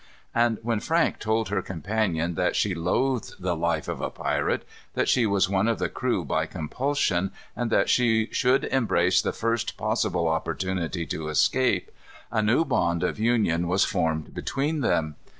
And when Frank told her companion that she loathed the life of a pirate, that she was one of the crew by compulsion, and that she should embrace the first possible opportunity to escape, a new bond of union was formed between them.